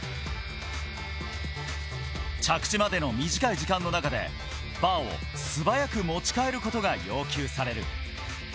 着地までの短い時間の中で、バーを素早く持ち替えることが要求される。